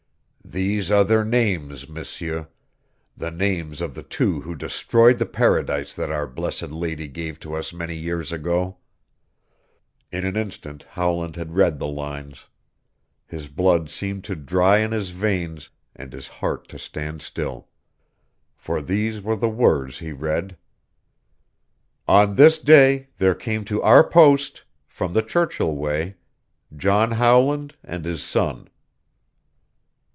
"These are their names, M'seur the names of the two who destroyed the paradise that our Blessed Lady gave to us many years ago." In an instant Howland had read the lines. His blood seemed to dry in his veins and his heart to stand still. For these were the words he read: "On this day there came to our post, from the Churchill way, John Howland and his son."